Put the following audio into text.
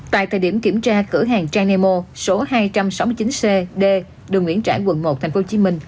tại thời điểm kiểm tra cửa hàng tranemo số hai trăm sáu mươi chín c d đường nguyễn trãi quận một tp hcm